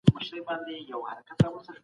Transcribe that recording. د اساسي قانون ساتنه څنګه کېږي؟